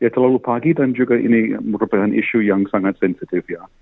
terlalu pagi dan juga ini merupakan isu yang sangat sensitif ya